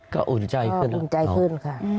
ก็อุ่นใจขึ้น